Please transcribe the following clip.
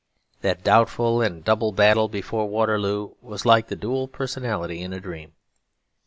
That doubtful and double battle before Waterloo was like the dual personality in a dream.